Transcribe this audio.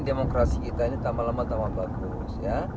demokrasi kita ini tambah lama tambah bagus ya